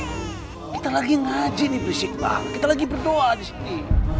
bener gak sih kita lagi ngaji nih bersikpa kita lagi berdoa disini